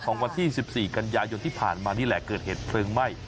วันที่๑๔กันยายนที่ผ่านมานี่แหละเกิดเหตุเพลิงไหม้